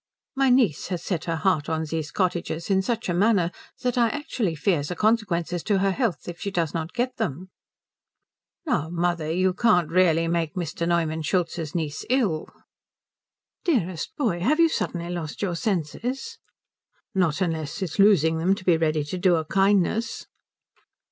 "My niece has set her heart on these cottages in such a manner that I actually fear the consequences to her health if she does not get them." "Now, mother, you really can't make Mr. Neumann Schultz's niece ill." "Dearest boy, have you suddenly lost your senses?" "Not unless it's losing them to be ready to do a kindness."